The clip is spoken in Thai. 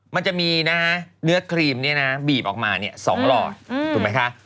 มันจะมีเนื้อครีมบีบออกมา๒หลอดถูกไหมคะ